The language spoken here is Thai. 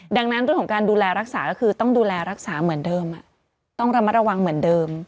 ดังนั้นเรื่องของการดูแลรักษาก็คือต้องดูแลรักษาเหมือนเดิมต้องระมัดระวังเหมือนเดิม